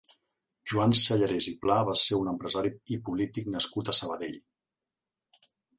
Joan Sallarès i Pla va ser un empresari i polític nascut a Sabadell.